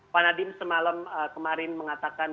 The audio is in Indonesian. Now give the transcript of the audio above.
pak nadiem semalam kemarin mengatakan